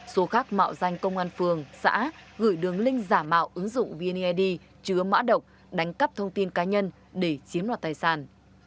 số khác mạo danh công an phường xã gửi đường link giả mạo ứng dụng vned chứa mã độc đánh cắp thông tin cá nhân để chiếm đoạt tài sản